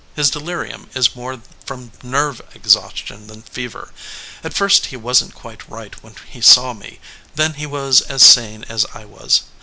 His delirium is more from nerve ex haustion than fever. At first he wasn t quite right when he saw me, then he was as sane as I was.